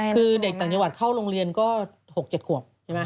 คือเด็กต่างจังหวัดเข้าโรงเรียนก็๖๗ขวบใช่ไหม